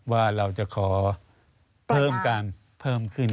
ว่าเราจะขอเพิ่มการเพิ่มขึ้น